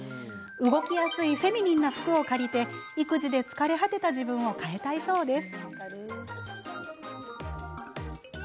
動きやすいフェミニンな服を借りて育児で疲れ果てた自分を変えたいそうです。